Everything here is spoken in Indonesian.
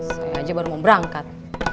saya aja baru mau berangkat